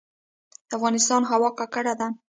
د افغانستان هوا ککړه ده